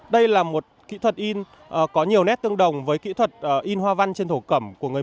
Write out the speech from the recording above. đây là một kỹ thuật in có nhiều nét tương đồng với kỹ thuật in hoa văn trên thổ cẩm của người